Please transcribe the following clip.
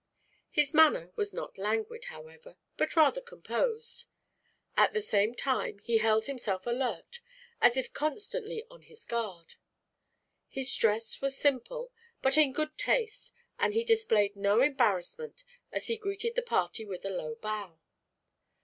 His manner was not languid, however, but rather composed; at the same time he held himself alert, as if constantly on his guard. His dress was simple but in good taste and he displayed no embarrassment as he greeted the party with a low bow.